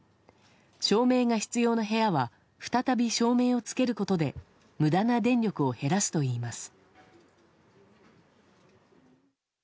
照明が必要な部屋は再び照明をつけることで無駄な電力を減らすといいます。